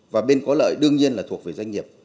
và bên có lợi đương nhiên là thuộc về doanh nghiệp